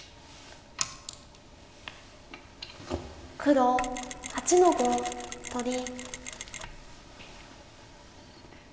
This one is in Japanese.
黒８の五取り。